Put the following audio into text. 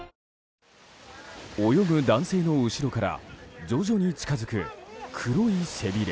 泳ぐ男性の後ろから徐々に近づく黒い背びれ。